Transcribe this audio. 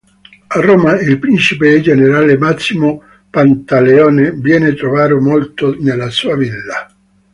A Roma, il principe e generale Massimo Pantaleone viene trovato morto nella sua villa.